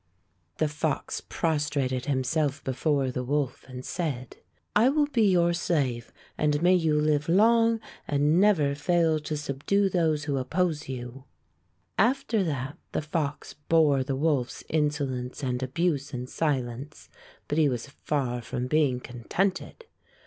The fox prostrated himself before the 150 Fairy Tale Foxes wolf and said, "I will be your slave, and may you live long and never fail to subdue those who oppose you." After that the fox bore the wolf's inso lence and abuse in silence, but he was far from being contented.